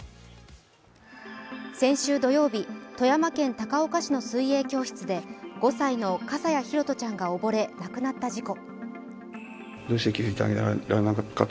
先週土曜日富山県高岡市の水泳教室で５歳の笠谷拓杜ちゃんが溺れ、亡くなった事故。